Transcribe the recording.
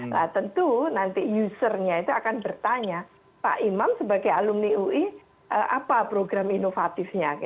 nah tentu nanti usernya itu akan bertanya pak imam sebagai alumni ui apa program inovatifnya